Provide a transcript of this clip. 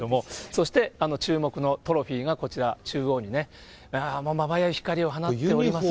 そして、注目のトロフィーがこちら、中央にまばゆい光を放っております。